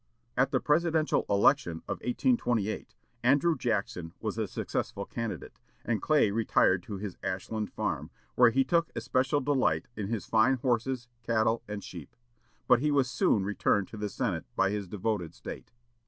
_" At the presidential election of 1828 Andrew Jackson was the successful candidate, and Clay retired to his Ashland farm, where he took especial delight in his fine horses, cattle, and sheep. But he was soon returned to the Senate by his devoted State.